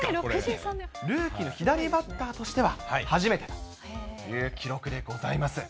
ルーキーの左バッターとしては、初めてという記録でございます。